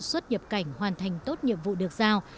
xuất nhập cảnh hoàn thành tốt nhiệm vụ được giao